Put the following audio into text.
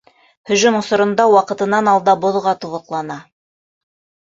Һөжүм осоронда ваҡытынан алда боҙға тубыҡлана.